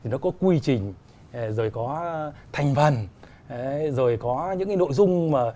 nó có quy trình rồi có thành phần rồi có những cái nội dung mà